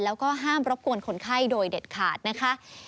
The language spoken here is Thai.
แล้วก็ห้ามรบกวนคนไข้โดยเด็ดขาดนะคะ